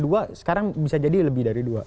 dua sekarang bisa jadi lebih dari dua